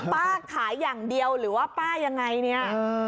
ขายอย่างเดียวหรือว่าป้ายังไงเนี่ย